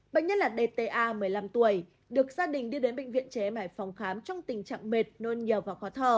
bệnh nhân là dta một mươi năm tuổi được gia đình đưa đến bệnh viện chế mải phòng khám trong tình trạng mệt nôn nhiều và khó thở